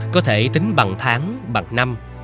có thể tính bằng tháng bằng năm